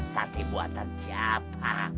sati buatan siapa